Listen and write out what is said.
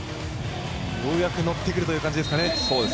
ようやく乗ってくるという感じですかね。